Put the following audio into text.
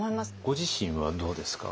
ご自身はどうですか？